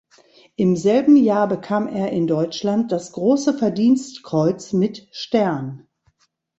Im selben Jahr bekam er in Deutschland das Große Verdienstkreuz mit Stern.